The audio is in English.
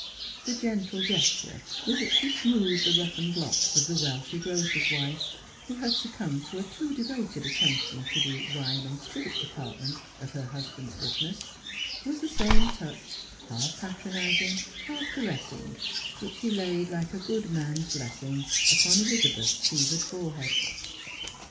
The gentle gesture with which he smoothed" the roughened locks of the wealthy grocer's wife, who had succumbed to a too devoted attention to the wine and spirit department of her husband's business, was the same touch, half patronising, half caressing, which he laid like a good man's blessing upon Elizabeth's fevered forehead.